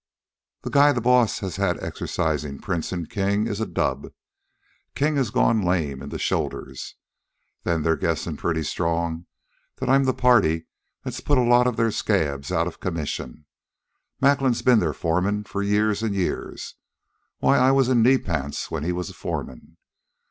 The guy the boss has had exercisin' Prince and King is a dub. King has gone lame in the shoulders. Then they're guessin' pretty strong that I'm the party that's put a lot of their scabs outa commission. Macklin's ben their foreman for years an' years why I was in knee pants when he was foreman.